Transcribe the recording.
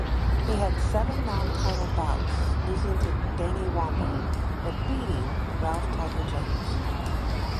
He had seven non-title bouts, losing to Danny Womber, but beating Ralph Tiger Jones.